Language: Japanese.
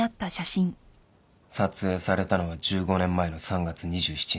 撮影されたのが１５年前の３月２７日。